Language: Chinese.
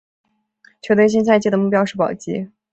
球队新赛季的目标是保级。